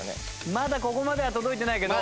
まだここまでは届いてないけど。